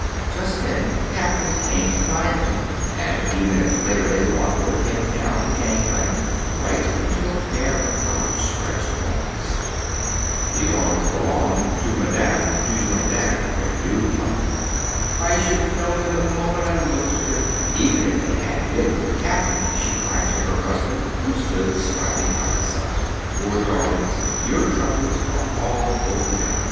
Just then the captain came to find them, and a few minutes later they walked with him down the gangplank, right into a pair of outstretched arms. The arms belonged to Madame Dujardin, their new mother. "I should have known them the moment I looked at them, even if they hadn't been with the captain," she cried to her husband, who stood smiling by her side. "Poor darlings, your troubles are all over now!